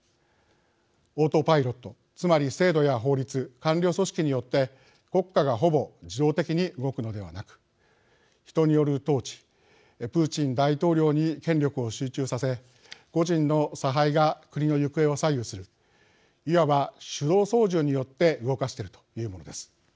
オートパイロットつまり制度や法律官僚組織によって国家がほぼ自動的に動くのではなく人による統治プーチン大統領に権力を集中させ個人の差配が国の行方を左右するいわば手動操縦によって動かしているというものです。